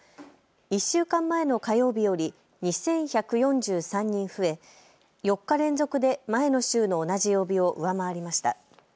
１週間前の火曜日より２１４３人増え、４日連続で前の週の同じ曜日を上回りました。